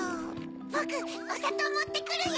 ぼくおさとうもってくるよ！